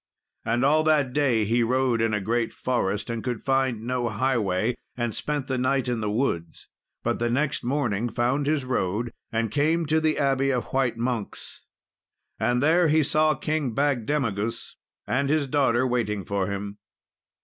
And all that day he rode in a great forest, and could find no highway, and spent the night in the wood; but the next morning found his road, and came to the abbey of white monks. And there he saw King Bagdemagus and his daughter waiting for him.